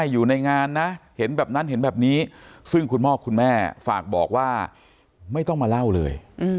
อยู่ในงานนะเห็นแบบนั้นเห็นแบบนี้ซึ่งคุณพ่อคุณแม่ฝากบอกว่าไม่ต้องมาเล่าเลย